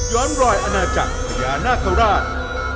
หย้อนรอยอนาจจากพระยานาขระราช